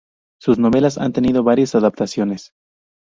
Sus novelas han tenido variadas adaptaciones.